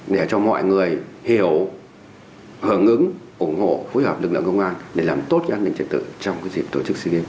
để cho mọi người hiểu hưởng ứng ủng hộ phối hợp lực lượng công an để làm tốt an ninh trật tự trong dịp tổ chức sea games